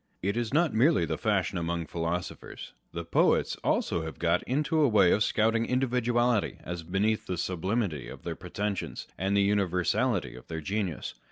It is not merely the fashion among philosophers â€" the poets also have got into a way of scouting individuality as beneath the sublimity of their pretensions, and the univer sality of their genius.